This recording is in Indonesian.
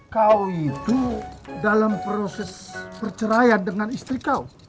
kau itu dalam proses perceraian dengan istri kau